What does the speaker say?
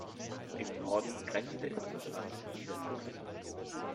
Im Norden grenzte es an das Land Niedersachsen.